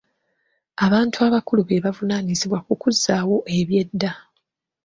Abantu abakulu be bavunaanyizibwa ku kuzzaawo ebyedda.